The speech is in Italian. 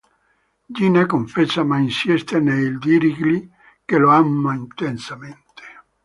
Gina confessa ma insiste nel dirgli che lo ama intensamente.